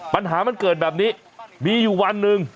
ปัญหามันเกิดแบบนี้มีอยู่วันหนึ่ง